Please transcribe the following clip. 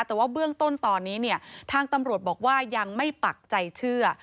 แต่ว่าเบื้องต้นตอนนี้เนี่ยทางตำรวจบอกว่ายังไม่ปักใจเชื่อ